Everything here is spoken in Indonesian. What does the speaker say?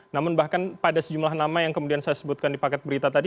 namun bahkan pada sejumlah nama yang kemudian saya sebutkan di paket berita tadi